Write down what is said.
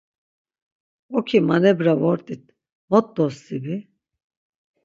Oki manebra vort̆it, mot dostibi?